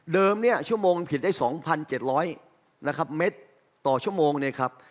เดิมเนี่ยชั่วโมงผลิตได้๒๗๐๐เมตรต่อชั่วโมงเนี่ยครับ